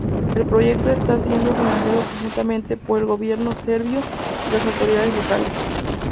El proyecto está siendo financiado conjuntamente por el gobierno serbio y las autoridades locales.